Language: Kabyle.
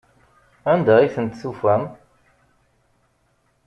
Anda i tent-tufam?